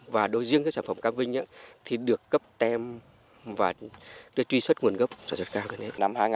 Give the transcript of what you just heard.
và đối với sản phẩm cam vinh được cấp tem và truy xuất nguồn gốc sản xuất cam